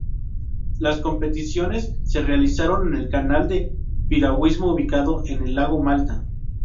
Las competiciones se realizaron en el canal de piragüismo ubicado en el lago Malta.